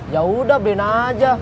yaudah beliin aja